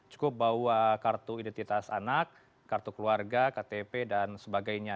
cukup bawa kartu identitas anak kartu keluarga ktp dan sebagainya